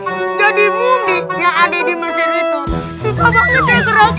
aja tuh jalan jalan jenek pakai penutupnya eh apa pengalangnya gitu kita ikat jamannya berat